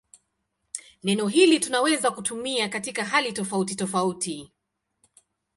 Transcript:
Neno hili tunaweza kutumia katika hali tofautitofauti.